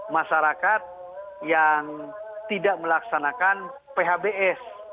masyarakat yang tidak melaksanakan phbs